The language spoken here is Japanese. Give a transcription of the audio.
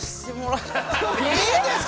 ◆いいんですか？